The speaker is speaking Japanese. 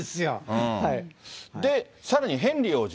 で、さらにヘンリー王子。